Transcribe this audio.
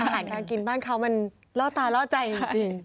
อาหารการกินบ้านเขามันล่อตาล่อใจจริง